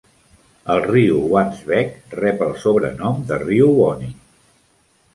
El riu Wansbeck rep el sobrenom de riu Wanney.